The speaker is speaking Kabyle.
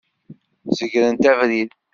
Zegret abrid!